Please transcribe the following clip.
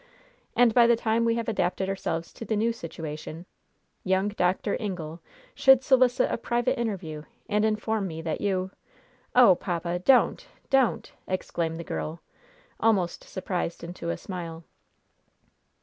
And by the time we have adapted ourselves to the new situation, young Dr. Ingle should solicit a private interview and inform me that you " "Oh, papa! don't! don't!" exclaimed the girl, almost surprised into a smile.